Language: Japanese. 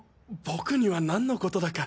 僕には何のコトだか。